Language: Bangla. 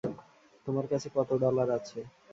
তোমার কাছে কত ডলার আছে?